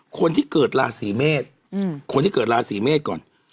คนที่เกิดราศีเมษคนที่เกิดราศีเมษก่อน